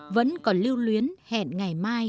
vẫn còn lưu luyến hẹn ngày mai